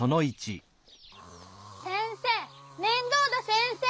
先生！